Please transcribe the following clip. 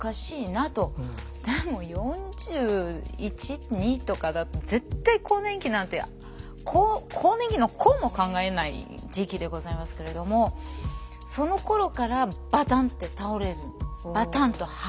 でも４１４２とかだと絶対更年期なんて更年期の「こ」も考えない時期でございますけれどもそのころからバタンッて倒れるバタンと。